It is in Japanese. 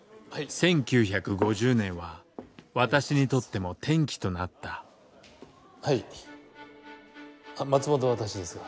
１９５０年は私にとっても転機となったはいあっ松本は私ですが。